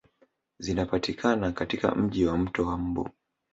Zinapatikana katika Mji wa mto wa mbu